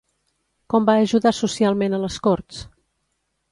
Com va ajudar socialment a les Corts?